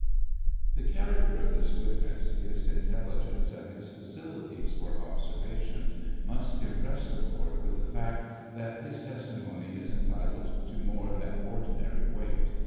The characterof this witness, his intelligence and his facilities for observatio must impress the court with the fact that his testimony is entitled to more thi ordinary weight.